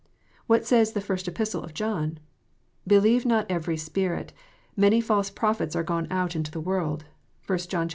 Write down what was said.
What says the First Epistle of John 1 " Believe not every spirit. Many false prophets are gone out into the world." (1 John iv.